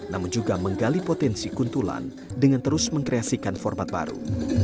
namun juga menggali potensi kuntulan dengan terus mengkreasikan format baru